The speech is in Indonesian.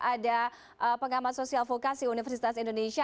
ada pengamat sosial vokasi universitas indonesia